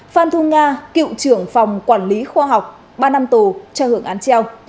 phan thu nga cựu trưởng phòng quản lý khoa học ba năm tù cho hưởng án treo